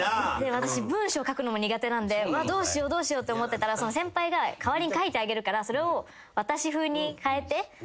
私文章書くのも苦手なんでどうしようって思ってたらその先輩が代わりに書いてあげるからそれを私風に変えて。